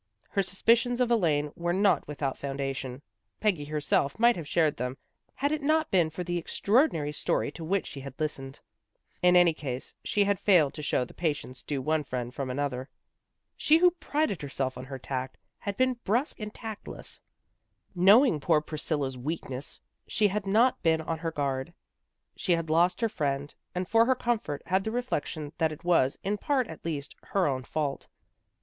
Her suspicions of Elaine were not without foundation. Peggy herself might have shared them had it not been for the extraordinary story to which she had listened. In any case, she had failed to show the patience due one friend from another. She who prided herself on her tact, had been brusque and tactless. Knowing poor Pris cilla's weakness, she had not been on her guard. She had lost her friend, and for her comfort had the reflection that it was, hi part at least, her own fault.